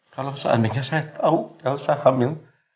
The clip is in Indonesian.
kalau seandainya saya tahu elsa hamil